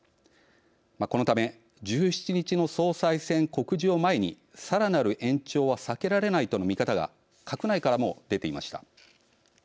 このため１７日の総裁選告示を前にさらなる延長は避けられないとの見方が閣内からも出ていました。